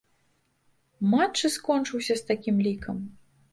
Матч і скончыўся з такім лікам.